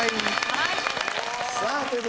はい。